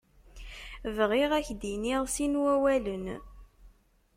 Bɣiɣ ad k-d-iniɣ sin wawalen.